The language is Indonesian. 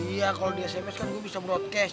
iya kalau di sms kan gue bisa broadcast